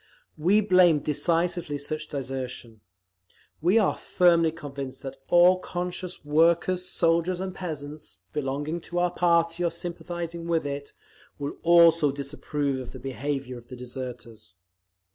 We blame decisively such desertion. We are firmly convinced that all conscious workers, soldiers and peasants, belonging to our party or sympathising with it, will also disapprove of the behaviour of the deserters….